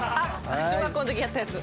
小学校のときやったやつ。